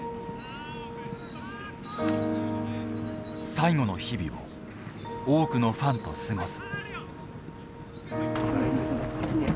最後の日々を多くのファンと過ごす。